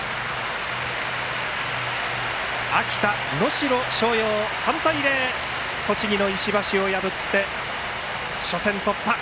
秋田・能代松陽が３対０で栃木の石橋を破って初戦突破。